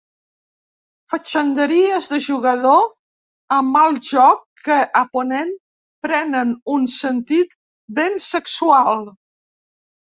Fatxenderies de jugador amb mal joc que a Ponent prenen un sentit ben sexual.